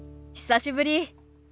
久しぶり。